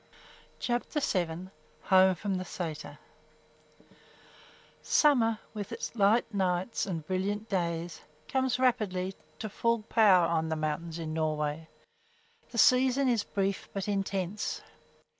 CHAPTER VII HOME FROM THE SÆTER Summer, with its light nights and brilliant days, comes rapidly to full power on the mountains in Norway. The season is brief but intense.